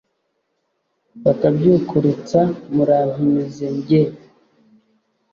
bakabyukurutsa murampinyuze jye.